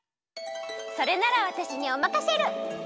それならわたしにおまかシェル！